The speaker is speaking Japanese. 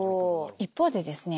一方でですね